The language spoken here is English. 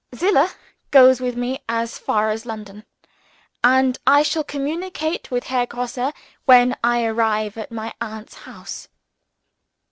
Zillah goes with me as far as London; and I shall communicate with Herr Grosse when I arrive at my aunt's house."